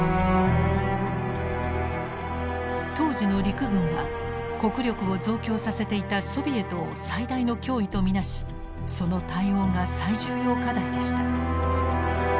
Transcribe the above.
当時の陸軍は国力を増強させていたソビエトを最大の脅威と見なしその対応が最重要課題でした。